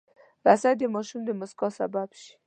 رس د ماشوم د موسکا سبب شي